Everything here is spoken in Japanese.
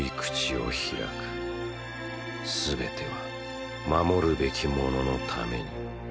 全ては守るべきもののために。